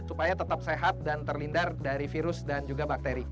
supaya tetap sehat dan terlindar dari virus dan juga bakteri